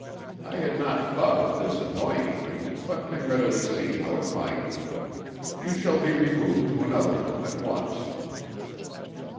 I had not thought of this annoying you, but can readily see how it might. You shall be removed to another room at once."